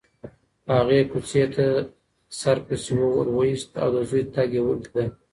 هغې کوڅې ته سر پسې وروایست او د زوی تګ یې لیده.